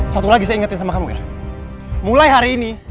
satu lagi ingetin sama kamu mulai hari ini